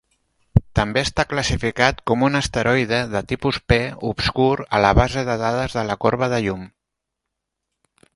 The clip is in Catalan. També està classificat com un asteroide de tipus P obscur a la "Base de dades de la corba de llum".